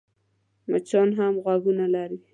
مچان هم غوږونه لري .